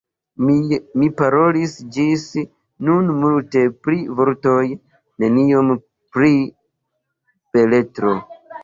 Mi parolis ĝis nun multe pri vortoj, neniom pri beletro.